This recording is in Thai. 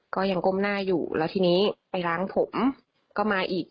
ก็ยังก้มหน้าอยู่แล้วทีนี้ไปล้างผมก็มาอีก